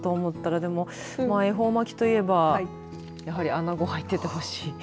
恵方巻きといえばやはりアナゴ入っていてほしい。